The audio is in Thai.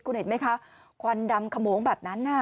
คุณเห็นไหมคะควันดำขโมงแบบนั้น